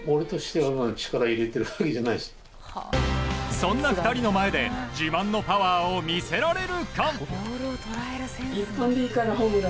そんな２人の前で自慢のパワーを見せられるか。